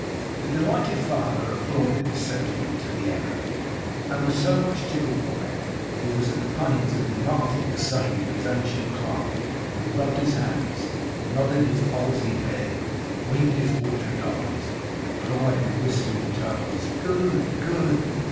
The delighted father applauded this sentiment to the echo; and was so much tickled by it, that he was at the pains of imparting the same to his ancient clerk, who rubbed his hands, nodded his palsied head, winked his watery eyes, and cried in his whistling tones, 'Good! good!